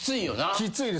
きついです。